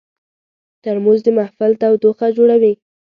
ترموز د محفل تودوخه جوړوي.